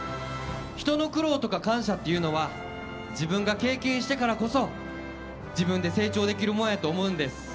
人の苦労とか感謝っていうのは自分が経験してからこそ自分で成長できるもんやと思うんです。